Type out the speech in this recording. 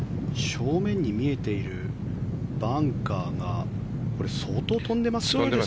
正面に見えているバンカーがこれ相当飛んでますね。